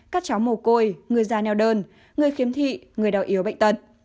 các cháu mồ côi người già neo đơn người khiếm thị người đau yếu bệnh tật